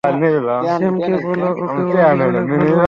স্যামকে বলো, ওকেও আমি অনেক ভালোবাসি!